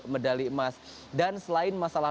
medali emas dan selain masalah